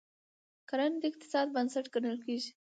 کرنه د اقتصاد بنسټ ګڼل کیږي.